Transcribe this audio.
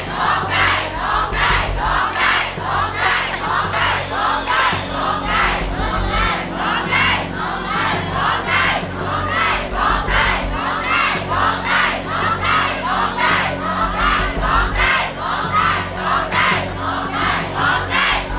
โหงได้โหงได้โหงได้โหงได้โหงได้